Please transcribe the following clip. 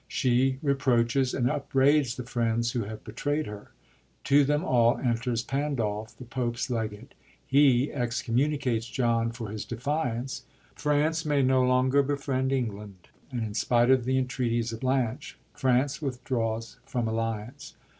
She re proaches and upbraids the friends who have betrayd her. To them all entei s Pandulph, the Pope's legate. He excommunicates John for his defiance. France may no longer befriend England, and, in spite of the entreaties of Blanch, France withdraws from alliance.